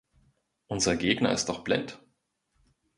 Unser Gegner ist doch blind.